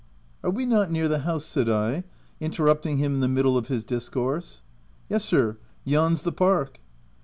" Are we not near the house V said I, inter rupting him in the middle of his discourse. a Yes, sir ; yond's the park.